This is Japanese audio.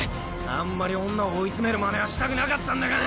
あんまり女を追い詰めるまねはしたくなかったんだが。